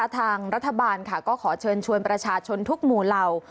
ทางรัฐบาลก็ขอเชิญชวนประชาชนทุกหมู่เหล่า